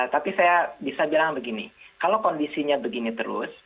tapi saya bisa bilang begini kalau kondisinya begini terus